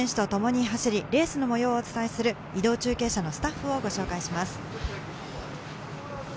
選手とともに走り、レースの模様をお伝えする移動中継車のスタッフをご紹介します。